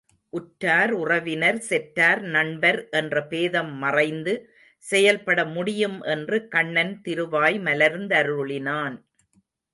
உற்றார், உறவினர், செற்றார், நண்பர் என்ற பேதம் மறைந்து செயல்படமுடியும் என்று கண்ணன் திருவாய் மலர்ந்தருளினான்.